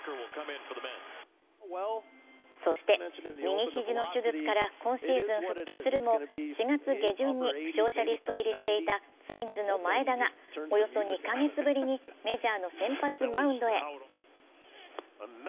そして右肘の手術から今シーズン復帰からも、４月下旬に負傷者リスト入りしていたツインズの前田がおよそ２か月ぶりにメジャーの先発マウンドへ。